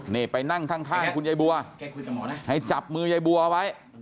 นี่ไปนั่งทั่งท่านคุณยัยบัวให้จับมือยัยบัวไว้